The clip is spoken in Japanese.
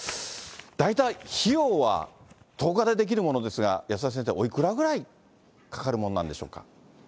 大体、費用は、１０日で出来るものですが、保田先生、おいくらぐらいかかるものなんでしょうか。